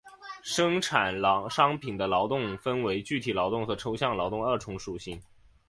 生产商品的劳动分为具体劳动和抽象劳动二重属性。